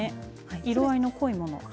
色合いの濃いもの。